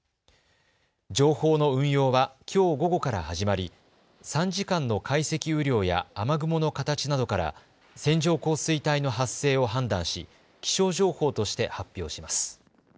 情報の運用はきょう午後から始まり３時間の解析雨量や雨雲の形などから線状降水帯の発生を判断し気象情報として発表します。